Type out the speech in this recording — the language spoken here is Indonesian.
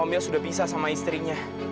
om yos sudah pisah sama istrinya